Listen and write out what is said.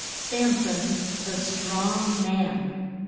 SAMSON: THE STRONG MAN.